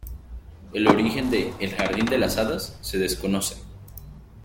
El origen de "El Jardín de las Hadas" se desconoce.